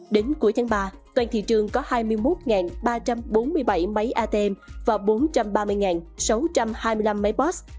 đến cuối tháng ba toàn thị trường có hai mươi một ba trăm bốn mươi bảy máy atm và bốn trăm ba mươi sáu trăm hai mươi năm máy boss